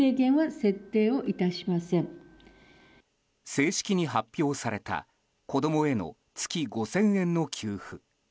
正式に発表された子供への月５０００円の給付。